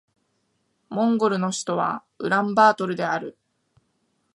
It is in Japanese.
モンゴルの首都はウランバートルである